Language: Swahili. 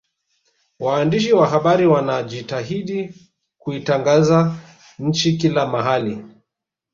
waandishi wa habari wanajitahidi kuitangaza nchi kila mahali